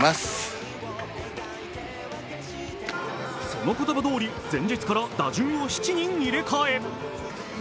その言葉どおり、前日から打順を７人入れ替え。